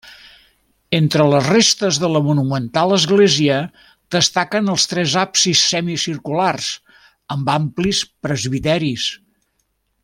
Entre les restes de la monumental església destaquen els tres absis semicirculars, amb amplis presbiteris.